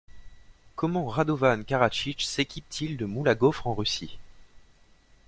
Comment Radovan Karadzic s'équipe-t-il de moules à gauffres en Russie?